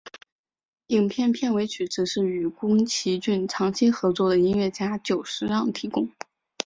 影片片尾曲则是与宫崎骏长期合作的音乐家久石让提供。